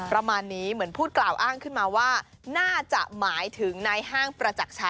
และก็ชนะในที่สุดค่ะ